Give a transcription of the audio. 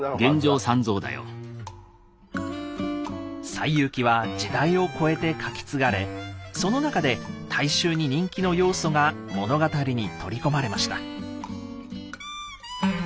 「西遊記」は時代を超えて書き継がれその中で大衆に人気の要素が物語に取り込まれました。